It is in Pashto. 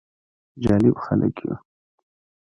جالب خلک يو: